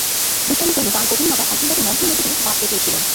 দুষ্টামির জন্য তাঁর গোপিনী মাতা একদিন তাঁকে মন্থনরজ্জু দিয়ে বাঁধতে চেয়েছিলেন।